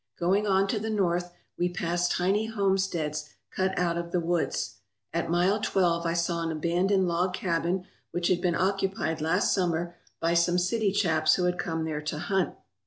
Going on to the north, we passed tiny homesteads cut out of the woods. At Mile Twelve I saw an abandoned log cabin which had been occupied last summer by some city chaps who had come there to hunt.